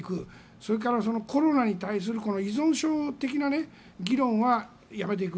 それからコロナに対する依存症的な議論はやめていく。